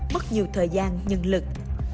mất nhiều thời gian nhân lực